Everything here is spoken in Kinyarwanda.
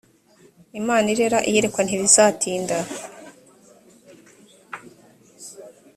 imana irera iyerekwa ntirizatinda